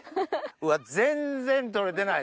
うわっ全然とれてない。